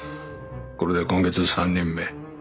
これで今月三人目。